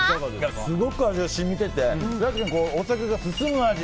すごく味が染みててお酒が進む味。